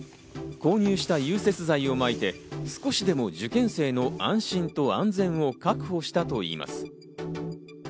購入した融雪剤をまいて少しでも受験生の安心と安全を確保したといいます。